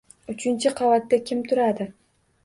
Uchinchi qavatda kim turadi?